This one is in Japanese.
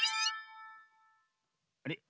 あれ？